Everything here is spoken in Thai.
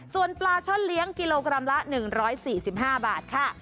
ส่วนปลาช่อนเลี้ยงกิโลกรัมละ๑๔๕บาทค่ะ